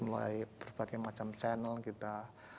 mulai berbagai macam channel kita